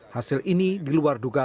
hasil ini diluar duga